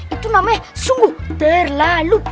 itu namanya sungguh terlalu